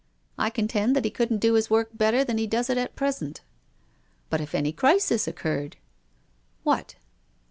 " I contend that he couldn't do his work better than he does it at present." " But if any crisis occurred ?"" What